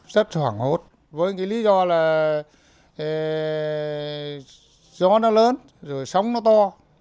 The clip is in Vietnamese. rất hoảng hốt với cái lý do là gió nó lớn rồi sóng nó to